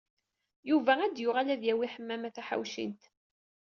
Yuba ad d-yuɣal ad yawi Ḥemmama Taḥawcint.